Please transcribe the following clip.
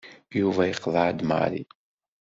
Yuba yeqḍeɛ-d Mary.